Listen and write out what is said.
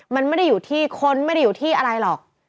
มันไม่ได้อยู่ที่คนไม่ได้อยู่ที่อะไรหรอก